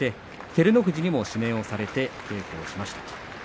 照ノ富士にも指名をされて稽古をしました。